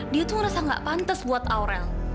dia tuh ngerasa gak pantas buat aurel